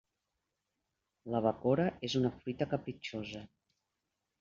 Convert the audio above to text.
La bacora és una fruita capritxosa.